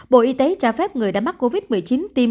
bộ y tế cho phép người đã mắc covid một mươi chín tiêm